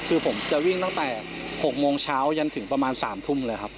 คือผมจะวิ่งตั้งแต่๖โมงเช้ายันถึงประมาณ๓ทุ่มเลยครับ